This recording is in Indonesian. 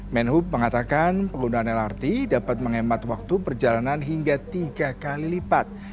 menhub mengatakan penggunaan lrt dapat menghemat waktu perjalanan hingga tiga kali lipat